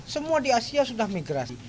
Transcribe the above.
semua di asia sudah migrasi